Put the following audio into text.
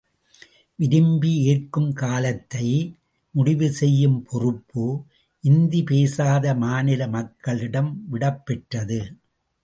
விரும்பி ஏற்கும் காலத்தை முடிவு செய்யும் பொறுப்பு, இந்தி பேசாத மாநில மக்களிடம் விடப் பெற்றது.